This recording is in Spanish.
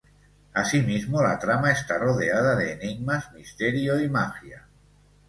Así mismo la trama está rodeada de enigmas, misterio y magia.